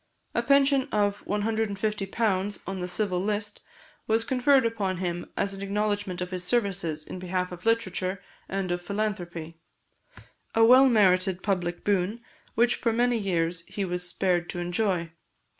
A pension of £150 on the civil list was conferred upon him as an acknowledgment of his services in behalf of literature and of philanthropy; a well merited public boon which for many years he was spared to enjoy.